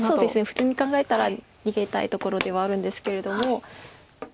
普通に考えたら逃げたいところではあるんですけれども。